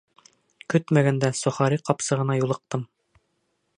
Көтмәгәндә сохари ҡапсығына юлыҡтым.